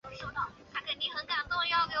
华南师范大学计算机应用专业本科毕业。